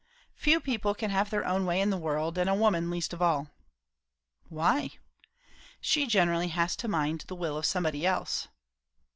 "Few people can have their own way in the world; and a woman least of all." "Why?" "She generally has to mind the will of somebody else."